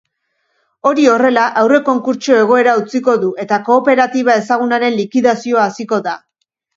Hori horrela, aurrekonkurtso egoera utziko du eta kooperatiba ezagunaren likidazioa hasiko da.